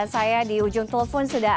saya di ujung telepon sudah